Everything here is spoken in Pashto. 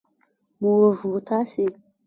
موږ و تاسې